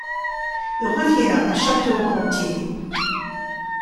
Il revient à Château-Gontier.